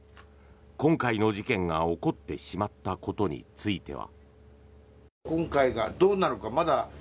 今回の事件が起こってしまったことについては。